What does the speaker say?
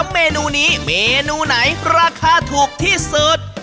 เมนูนี้เมนูไหนราคาถูกที่สุด